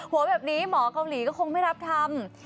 หัวแบบนี้หมอเกาหลีก็คงไม่รับทำ